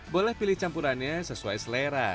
boleh pilih campurannya sesuai selera